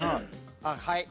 はい。